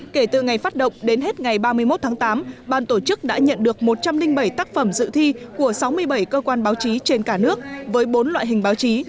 kể từ ngày phát động đến hết ngày ba mươi một tháng tám ban tổ chức đã nhận được một trăm linh bảy tác phẩm dự thi của sáu mươi bảy cơ quan báo chí trên cả nước với bốn loại hình báo chí